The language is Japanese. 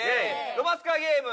ロマンスカーゲーム！